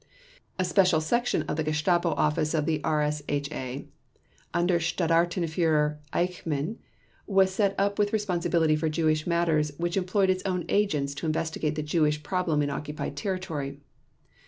A special section of the Gestapo office of the RSHA under Standartenführer Eichmann was set up with responsibility for Jewish matters which employed its own agents to investigate the Jewish problem in occupied territory.